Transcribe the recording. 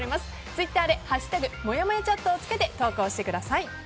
ツイッターで「＃もやもやチャット」をつけて投稿してください。